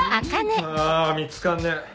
あ見つかんねえ。